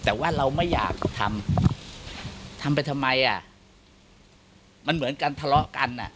แต่ว่าเราไม่อยากทำทำไปทำไมอ่ะมันเหมือนกันทะเลาะกันอ่ะ